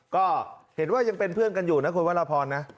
ก็เห็นว่ายังเป็นเพื่อนกันอยู่นะคุณวรพรนะ